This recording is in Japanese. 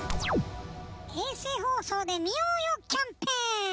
「『衛星放送で見ようよ！』キャンペーン！